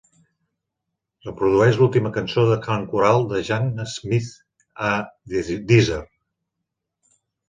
Reprodueix l'última cançó de cant coral de Jan Smit a Deezer.